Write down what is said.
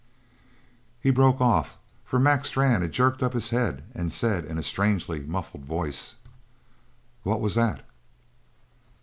He broke off, for Mac Strann had jerked up his head and said in a strangely muffled voice: "What was that?"